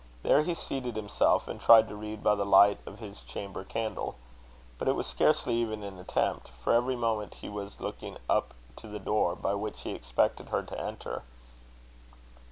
There he seated himself, and tried to read by the light of his chamber candle. But it was scarcely even an attempt, for every moment he was looking up to the door by which he expected her to enter.